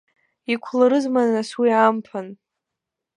Иқәларызма нас уи амԥан?